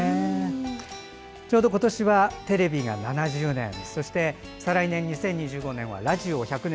ちょうど今年はテレビが７０年再来年、２０２５年はラジオ１００年